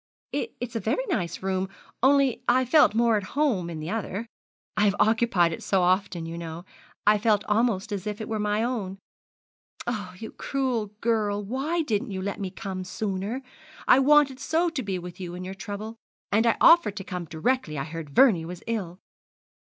'It's a very nice room; only I felt more at home in the other. I have occupied it so often, you know, I felt almost as if it were my own. Oh, you cruel girl! why didn't you let me come sooner? I wanted so to be with you in your trouble; and I offered to come directly I heard Vernie was ill!'